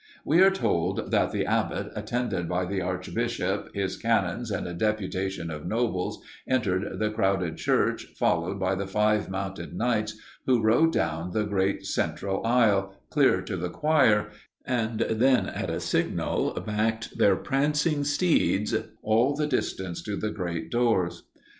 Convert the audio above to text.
We are told that the abbot, attended by the archbishop, his canons, and a deputation of nobles, entered the crowded church, followed by the five mounted knights who rode down the great central aisle, clear to the choir, and then at a signal backed their prancing steeds all the distance to the great doors.